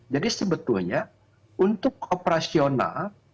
jadi sebetulnya untuk operasi ya